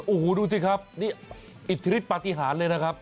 โอ้โหดูสิครับนี่อิทธิฤทธปฏิหารเลยนะครับ